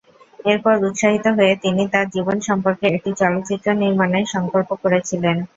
এরপর উৎসাহিত হয়ে, তিনি তার জীবন সম্পর্কে একটি চলচ্চিত্র নির্মাণের সংকল্প করেছিলেন।